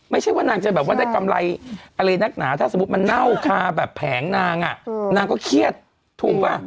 ไม่ใช่ว่านางจะแบบว่าได้กำไรอะไรนักหนาถ้าสมมุติมันเน่าคาแบบแผงนางอ่ะนางก็เครียดถูกป่ะ